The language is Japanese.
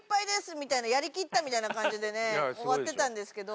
みたいな「やりきった」みたいな感じでね終わってたんですけど